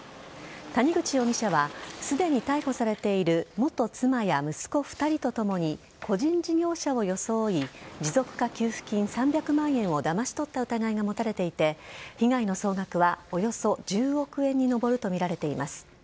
谷口容疑者はすでに逮捕されている元妻や息子２人とともに個人事業者を装い持続化給付金３００万円をだまし取った疑いが持たれていて被害の総額はおよそ１０億円に上るとみられています。